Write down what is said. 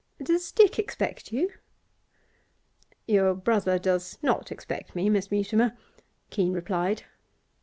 'Does Dick expect you?' 'Your brother does not expect me, Miss Mutimer,' Keene replied.